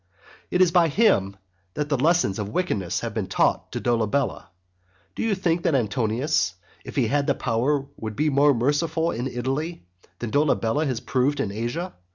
It is by him that the lessons of wickedness have been taught to Dolabella. Do you think that Antonius, if he had the power, would be more merciful in Italy than Dolabella has proved in Asia?